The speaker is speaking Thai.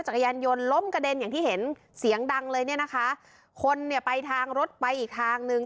จักรยานยนต์ล้มกระเด็นอย่างที่เห็นเสียงดังเลยเนี่ยนะคะคนเนี่ยไปทางรถไปอีกทางหนึ่ง